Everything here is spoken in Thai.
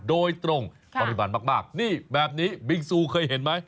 โดยตรงปริมาณมากนี่แบบนี้บิงซูเคยเห็นไหม